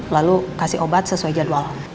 lalu kasih obat sesuai jadwal